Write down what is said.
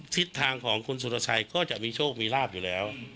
ทิศทางของคุณสุรชัยก็จะมีโชคมีลาบอยู่แล้ว